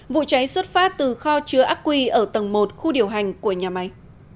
vụ cháy xuất phát từ kho chứa ác quy ở tầng một khu điều hành của nhà máy